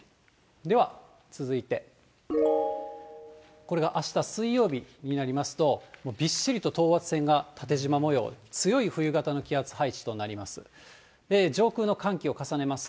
では続いて、これがあした水曜日になりますと、びっしりと等圧線が縦じま模様、強い冬型の気圧配置となります。